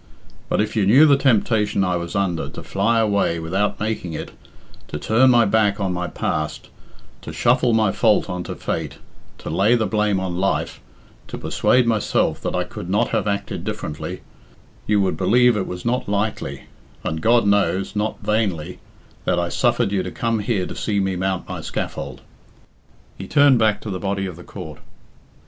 But if you knew the temptation I was under to fly away without making it, to turn my back on my past, to shuffle, my fault on to Fate, to lay the blame on Life, to persuade myself that I could not have acted differently, you would believe it was not lightly, and God knows, not vainly, that I suffered you to come here to see me mount my scaffold." He turned back to the body of the court.